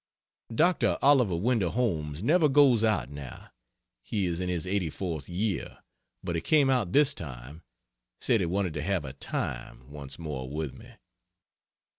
Dr. Oliver Wendell Holmes never goes out now (he is in his 84th year,) but he came out this time said he wanted to "have a time" once more with me.